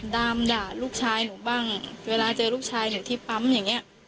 ดามด่าลูกชายหนูบ้างเวลาเจอลูกชายหนูที่ปั๊มอย่างเงี้ย